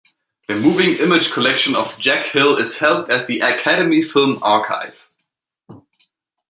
The moving image collection of Jack Hill is held at the Academy Film Archive.